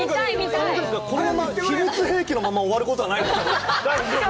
このまま秘密兵器のまま終わることはないですよね